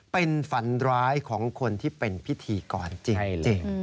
เป็นฝันร้ายของคนที่เป็นพิธีกรจริง